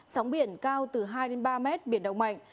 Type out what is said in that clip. sóng biển cao từ hai đến ba mét biển động mạnh